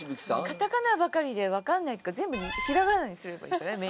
カタカナばかりでわかんない全部ひらがなにすればいいんじゃない？